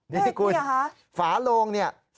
นี่คุณฝารง๓๒๕